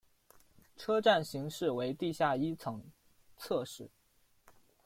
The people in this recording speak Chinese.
车站型式为地下一层侧式。